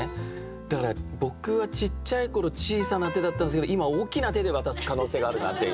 だから僕はちっちゃい頃小さな手だったんですけど今大きな手で渡す可能性があるなっていう。